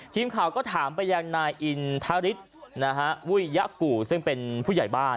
ทีมข่าวก็ถามไปยังนายอินทริสนะฮะวิยะกู่ซึ่งเป็นผู้ใหญ่บ้าน